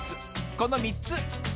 この３つ。